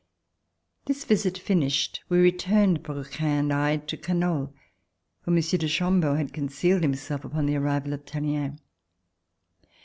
This visit finished, we returned, Brouquens and I, to Canoles, for Monsieur de Chambeau had concealed himself upon the arrival of Tallien.